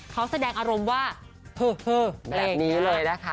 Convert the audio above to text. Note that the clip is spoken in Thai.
เขาแสดงอารมณ์ว่าเฮอแบบนี้เลยนะคะ